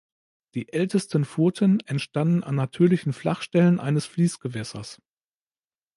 Die ältesten Furten entstanden an natürlichen Flachstellen eines Fließgewässers.